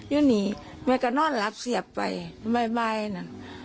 อยู่หนีแม่ก็นอนหลับเสียบไปบ่ายนะ